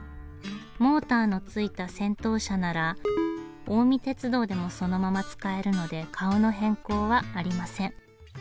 モーターの付いた先頭車なら近江鉄道でもそのまま使えるので顔の変更はありません。